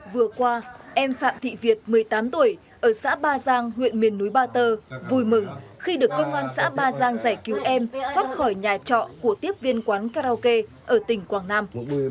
vừa qua em phạm thị việt một mươi tám tuổi ở xã ba giang huyện miền núi ba tơ vui mừng khi được công an xã ba giang giải cứu em thoát khỏi nhà trọ của tiếp viên quán karaoke ở tỉnh quảng nam